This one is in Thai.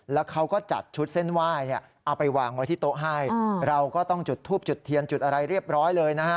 แล้วเขาก็จัดชุดเส้นไหว้เนี่ยเอาไปวางไว้ที่โต๊ะให้เราก็ต้องจุดทูบจุดเทียนจุดอะไรเรียบร้อยเลยนะฮะ